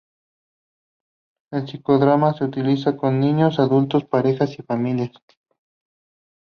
El psicodrama se utiliza con niños, adultos, parejas y familias.